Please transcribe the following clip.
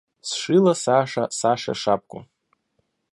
Сшила Саша Саше шапку.